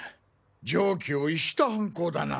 常軌を逸した犯行だな